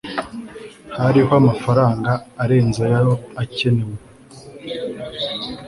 hariho amafaranga arenze ayo akenewe